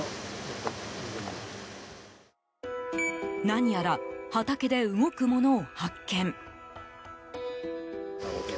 何やら、畑で動くものを発見。